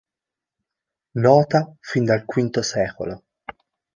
Nota fin dal V sec.